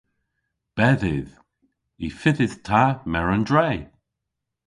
Bedhydh. Y fydhydh ta mer an dre.